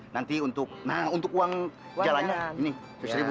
nanti untuk nah untuk uang jalannya ini seribu